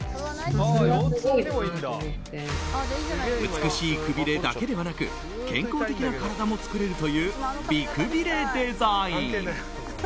美しいくびれだけではなく健康的な体も作れるという美くびれデザイン。